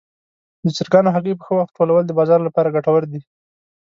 د چرګانو هګۍ په ښه وخت ټولول د بازار لپاره ګټور دي.